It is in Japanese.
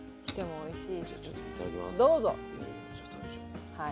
おいしい！